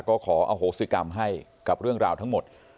ก็ขออโหสิกรรมให้กับเรื่องราวทั้งหมด